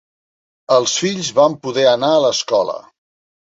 Els fills van poder anar a l'escola.